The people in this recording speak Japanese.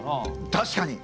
確かに！